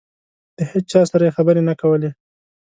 د هېچا سره یې خبرې نه کولې.